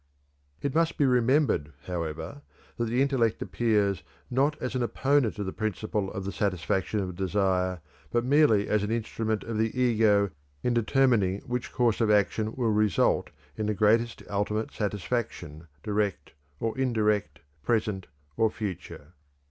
It must be remembered, however, that the intellect appears not as an opponent of the principle of the satisfaction of desire, but merely as an instrument of the ego in determining which course of action will result in the greatest ultimate satisfaction, direct or indirect, present or future.